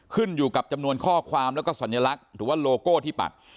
ขึ้นอยู่กับจำนวนข้อความแล้วก็สัญลักษณ์หรือว่าโลโก้ที่ปัก